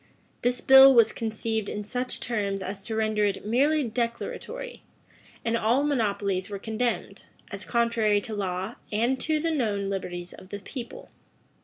This bill was conceived in such terms as to render it merely declaratory; and all monopolies were condemned, as contrary to law and to the known liberties of the people.